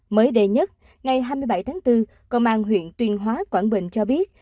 mới đề nhất ngày hai mươi bảy tháng bốn cộng an huyện tuyên hóa quảng bình cho biết